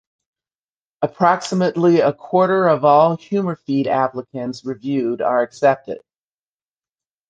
Approximately a quarter of all HumorFeed applicants reviewed are accepted.